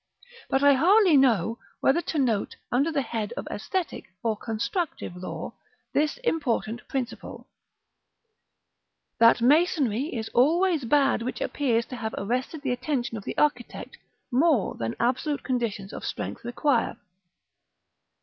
But I hardly know whether to note under the head of æsthetic or constructive law, this important principle, that masonry is always bad which appears to have arrested the attention of the architect more than absolute conditions of strength require.